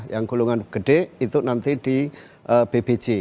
yang gulungan gede itu nanti di bbc